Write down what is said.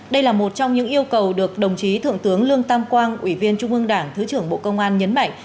đây là một trong những yêu cầu được đồng chí thượng tướng lương tam quang ủy viên trung ương đảng thứ trưởng bộ công an nhấn mạnh